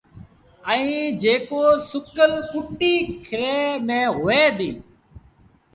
ائيٚݩ جيڪو سُڪل ڪُٽيٚ کري ميݩ هوئي ديٚ۔